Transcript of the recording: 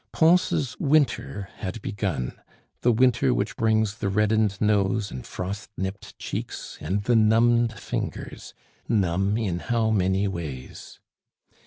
Pons' winter had begun, the winter which brings the reddened nose, and frost nipped cheeks, and the numbed fingers, numb in how many ways!